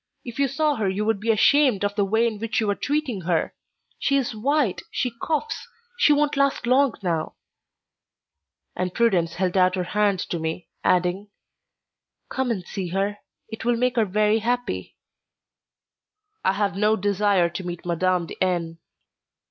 If you saw her you would be ashamed of the way in which you are treating her. She is white, she coughs—she won't last long now." And Prudence held out her hand to me, adding: "Come and see her; it will make her very happy." "I have no desire to meet M. de N."